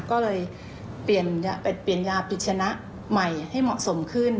ก็เลยเปลี่ยนยาเปลี่ยนยาปิชนะใหม่ให้เหมาะสมขึ้น